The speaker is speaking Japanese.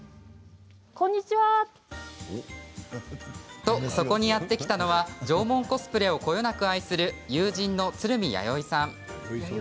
と、そこにやってきたのは縄文コスプレをこよなく愛する友人の鶴見弥生さん。